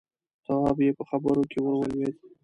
تواب يې په خبره کې ور ولوېد: